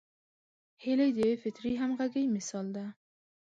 هیلۍ د فطري همغږۍ مثال ده